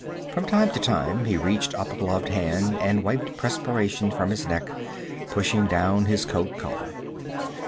From time to time he reached up a gloved hand and wiped perspiration from his neck, pushing down his coat collar.